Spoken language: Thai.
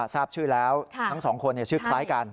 ทราบชื่อแล้วทั้งสองคนชื่อคล้ายกัน